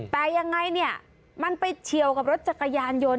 แต่ยังไงเนี่ยมันไปเฉียวกับรถจักรยานยนต์